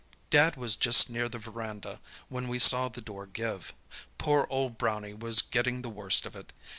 "Dad was just near the verandah when we saw the door give. Poor old Brownie was getting the worst of it.